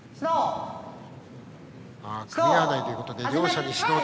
組み合わないということで両者に指導。